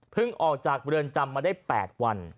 ออกจากเรือนจำมาได้๘วัน